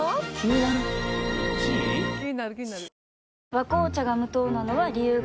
「和紅茶」が無糖なのは、理由があるんよ。